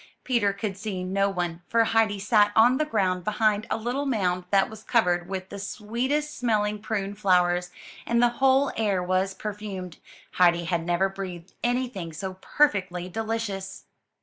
Peter could see no one; for Heidi sat on the ground behind a little mound that was covered with the sweetest smelling prune flowers, and the whole air was perfumed. Heidi had never breathed anything so perfectly delicious.